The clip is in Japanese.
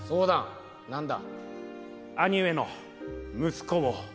何だ？